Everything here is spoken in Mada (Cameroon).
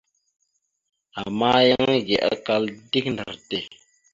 Ama yan ege akal dik ndar tte.